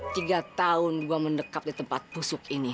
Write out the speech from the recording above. tiga tahun gue mendekat di tempat pusuk ini